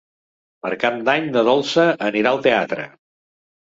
Per Cap d'Any na Dolça anirà al teatre.